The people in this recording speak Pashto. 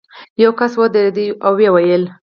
یو کس ودرېد او ویې ویل.